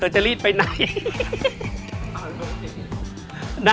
เธอจะรีดไปไหน